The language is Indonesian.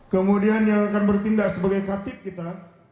kemudian yang akan bertindak sebagai katib kita